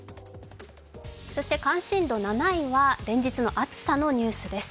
関心度７位は連日の暑さのニュースです。